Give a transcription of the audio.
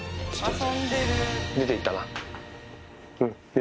出ていったな。